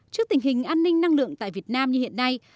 trước tình hình an ninh năng lượng tại việt nam như hiện nay